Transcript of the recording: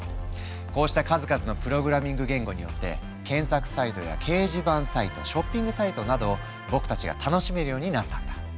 こうした数々のプログラミング言語によって検索サイトや掲示板サイトショッピングサイトなどを僕たちが楽しめるようになったんだ。